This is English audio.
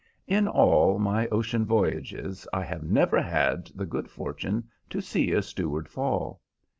In all my ocean voyages I have never had the good fortune to see a steward fall.